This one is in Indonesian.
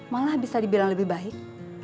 malah bisa dibilang lebih baik